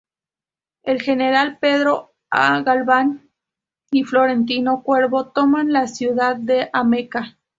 El general Pedro A. Galván y Florentino Cuervo, toman la ciudad de Ameca.